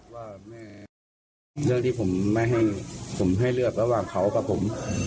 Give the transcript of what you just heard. ว่าแม่เรื่องที่ผมไม่ให้ผมให้เลือกระหว่างเขากับผม